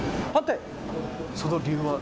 その理由は？